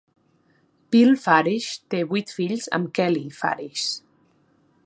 Bill Farish té vuit fills amb Kelley Farish.